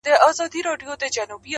ورځه خپله مزدوري دي ترې جلا كه!!